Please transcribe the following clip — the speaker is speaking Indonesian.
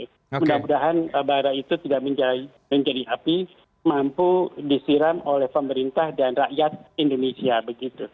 mudah mudahan bara itu tidak menjadi api mampu disiram oleh pemerintah dan rakyat indonesia begitu